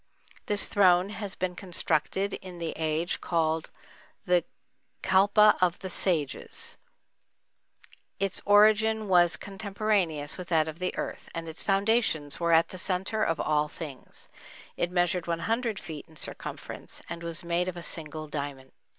This throne had been constructed in the age called the "Kalpa of the Sages"; its origin was contemporaneous with that of the earth, and its foundations were at the centre of all things; it measured one hundred feet in circumference, and was made of a single diamond.